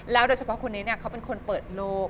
แล้วโดยเฉพาะคนนี้แหละเป็นคนเปิดโลก